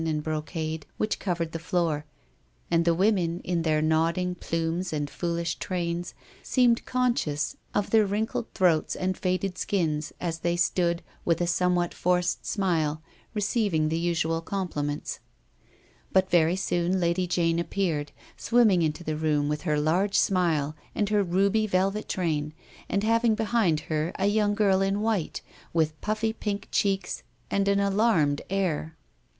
281 and brocade which covered the floor; and the women in their white gloves and nodding plumes and foolish trains, seemed conscious of their wrinkled throats and faded skins, as they "stood, with a somewhat forced smile, receiving the usual compliments on their dresses. But very soon Lady Jane appeared, swim ming into the room with her laige smile, and her ruby velvet train, and having behind her a young girl in white, with puffy pink cheeks and an alarmed air.